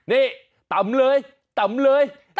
ตำเลยตำเลยตำเลยตำเลย